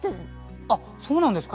あっそうなんですか？